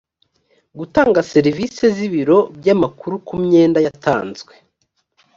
gutanga serivisi z ibiro by amakuru ku myenda yatanzwe